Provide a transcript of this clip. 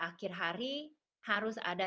akhir hari harus ada